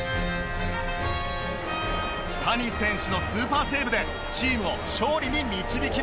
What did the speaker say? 谷選手のスーパーセーブでチームを勝利に導きました